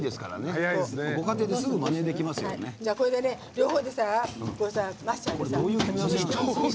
両方でマッシャーで。